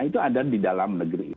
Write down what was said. itu ada di dalam negeri